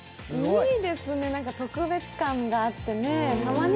いいですね、特別感があってね。